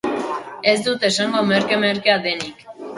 Ez dut esango merke-merkea denik.